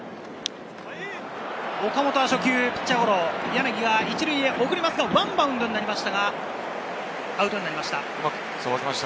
岡本は初球ピッチャーゴロ、柳は１塁へ送りますが、ワンバウンドになりましたがアウトになりました。